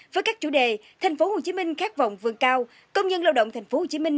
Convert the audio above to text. với các chủ đề thành phố hồ chí minh khát vọng vương cao công nhân lao động thành phố hồ chí minh